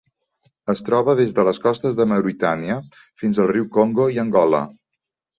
Es troba des de les costes de Mauritània fins al riu Congo i Angola.